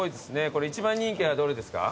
これ一番人気はどれですか？